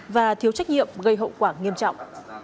và thiếu trách nhiệm gây hậu quả nghiêm trọng